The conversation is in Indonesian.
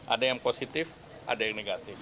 ada yang positif ada yang negatif